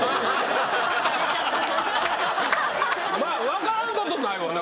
分からんことないわな。